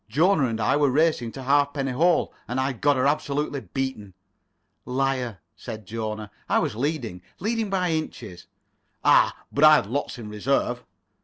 Jona and I were racing to Halfpenny Hole, and I'd got her absolutely beaten." "Liar," said Jona, "I was leading—leading by inches." "Ah, but I'd lots in reserve."